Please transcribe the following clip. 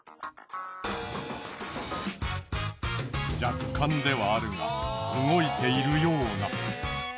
若干ではあるが動いているような。